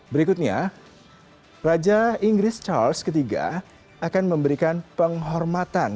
berikutnya raja inggris charles iii akan memberikan penghormatan